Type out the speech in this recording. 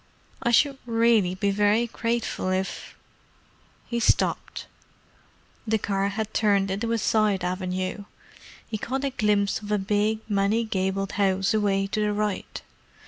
"I should really be very grateful if——" He stopped. The car had turned into a side avenue—he caught a glimpse of a big, many gabled house away to the right.